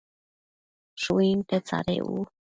Shuinte tsadec u